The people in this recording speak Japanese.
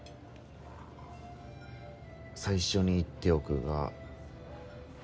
最初に言っておくが。